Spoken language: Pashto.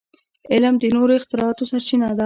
علم د نوو اختراعاتو سرچینه ده.